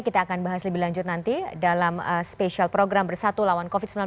kita akan bahas lebih lanjut nanti dalam spesial program bersatu lawan covid sembilan belas